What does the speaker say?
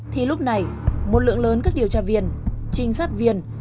thì lúc này một lượng lớn các điều tra viên trinh sát viên